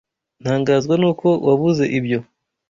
Ntangazwa nuko wabuze ibyo.